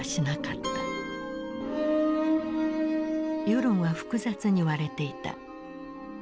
世論は複雑に割れていた。